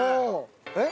えっ？